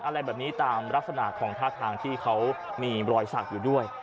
อะไรแบบนี้ตามลักษณะของท่าทางที่เขามีรอยสักอยู่ด้วย